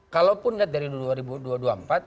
kalaupun dari tahun dua ribu dua puluh empat